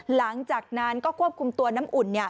หลังจากนั้นก็ควบคุมตัวน้ำอุ่น